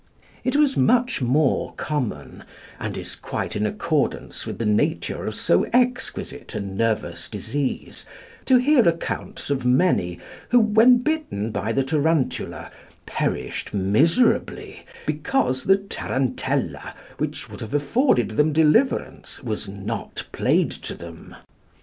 It was much more common, and is quite in accordance with the nature of so exquisite a nervous disease, to hear accounts of many who, when bitten by the tarantula, perished miserably because the tarantella, which would have afforded them deliverance, was not played to them.